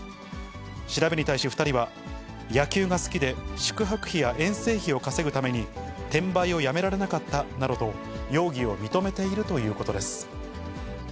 調べに対し２人は、野球が好きで、宿泊費や遠征費を稼ぐために、転売をやめられなかったなどと、容疑を認めているということです。